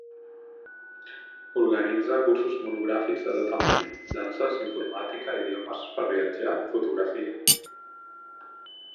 Organitza cursos monogràfics de tota mena: danses, informàtica, idiomes per viatjar, fotografia.